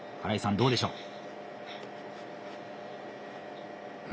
どうでしょう？